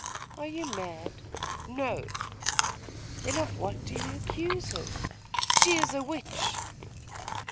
"Are you mad?" "No." "Then of what do you accuse her?" "She is a witch."